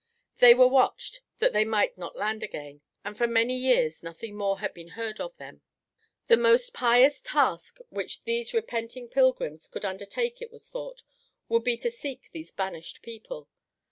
They were watched that they might not land again, and for many years nothing more had been heard from them. The most pious task which these repenting pilgrims could undertake, it was thought, would be to seek these banished people.